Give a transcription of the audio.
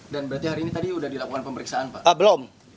dan berarti hari ini tadi sudah dilakukan pemeriksaan pak